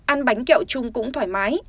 ăn bánh kẹo chung cũng thoải mái